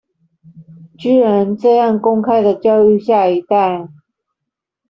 居然這樣公開的教育下一代